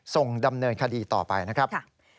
ส่งดำเนินคดีต่อไปนะครับ